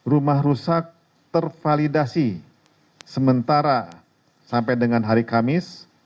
rumah rusak tervalidasi sementara sampai dengan hari kamis